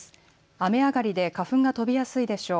雨上がりで花粉が飛びやすいでしょう。